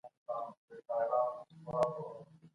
د جرګي غړو به د ملي ګټو لپاره خپلي شخصي غوښتنې پرېښودې.